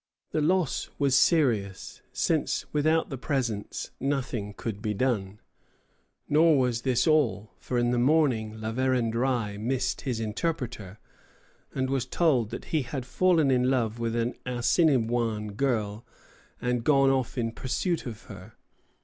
The loss was serious, since without the presents nothing could be done. Nor was this all; for in the morning La Vérendrye missed his interpreter, and was told that he had fallen in love with an Assinniboin girl and gone off in pursuit of her.